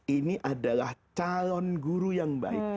ini adalah calon guru yang baik